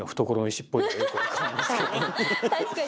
確かに。